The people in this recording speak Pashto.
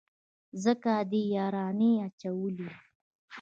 ځکه دې يارانې اچولي.